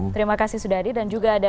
terima kasih sudah hadir dan juga ada